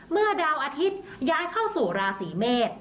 เมื่อดาวอาทิตย้ายเข้าสู่ราศีเมษ